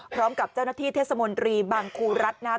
พร้อมกับเจ้าหน้าที่เทศมนตรีบางครูรัฐนะครับ